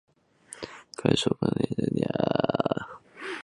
国际疫情快速蔓延带来的输入性风险增加